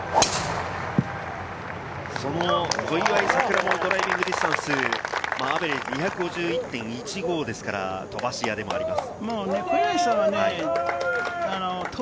小祝さくらもドライビングディスタンス、アベレージ２５１．１５ですから、飛ばし屋でもあります。